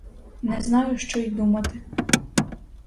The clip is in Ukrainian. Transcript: Не знаю, що й думати!